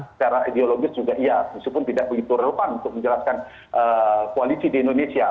secara ideologis juga iya meskipun tidak begitu relevan untuk menjelaskan koalisi di indonesia